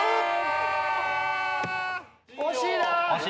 惜しいなぁ。